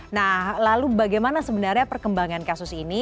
nah lalu bagaimana sebenarnya perkembangan kasus ini